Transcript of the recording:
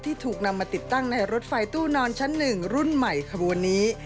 ถูกนำมาติดตั้งในรถไฟตู้นอนชั้น๑รุ่นใหม่ขบวนนี้